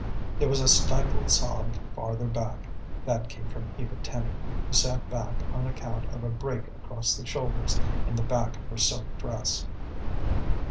There was a stifled sob farther back, that came from Eva Tenny, who sat back on account of a break across the shoulders in the back of her silk dress.